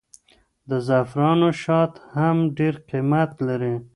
د زعفرانو شات هم ډېر قیمت لري.